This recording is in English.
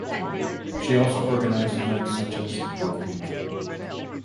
She also organized events such as Book Week.